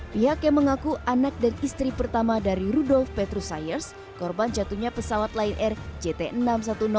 pihak yang mengaku anak dan istri pertama dari rudolf petrusyers korban jatuhnya pesawat lion air jt enam ratus sepuluh